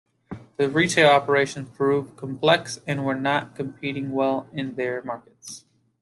The retail operations proved complex and were not competing well in their markets.